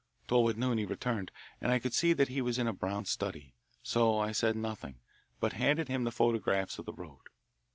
Toward noon he returned, and I could see that he was in a brown study. So I said nothing, but handed him the photographs of the road.